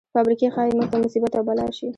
فابریکې ښايي موږ ته مصیبت او بلا شي.